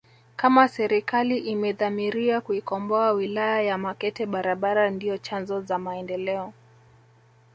Kama serikali imedhamiria kuikomboa wilaya ya Makete barabara ndio chanzo za maendeleo